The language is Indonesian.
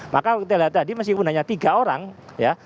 maka kita lihat tadi meskipun hanya tiga orang ya